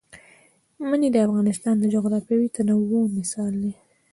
منی د افغانستان د جغرافیوي تنوع مثال دی.